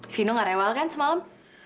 vino gak rewel kan semalam